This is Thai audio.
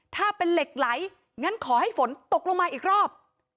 ถ้าเป็นเหล็กไหลงั้นขอให้ฝนตกลงมาอีกรอบ